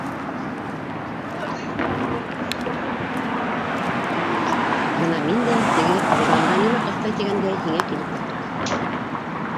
Бына мин дә... теге... буранда нимә ҡыҫтай тигәндәй... һиңә килеп ултырам...